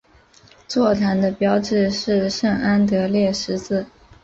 座堂的标志是圣安德烈十字。